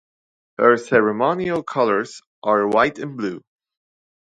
Her ceremonial colors are white and blue.